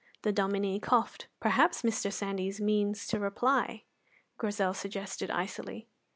The Dominie coughed. "Perhaps Mr. Sandys means to reply," Grizel suggested icily.